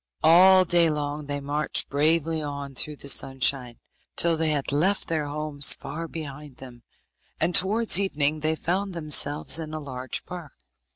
All day long they marched bravely on through the sunshine, till they had left their homes far behind them, and towards evening they found themselves in a large park.